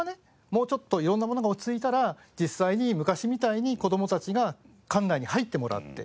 もうちょっと色んなものが落ち着いたら実際に昔みたいに子どもたちが館内に入ってもらって。